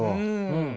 うん。